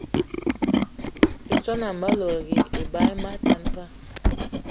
I swan ame lòdgì eba eme atan va